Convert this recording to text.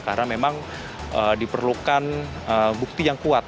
karena memang diperlukan bukti yang kuat